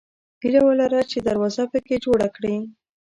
هیله ولره چې دروازه پکې جوړه کړې.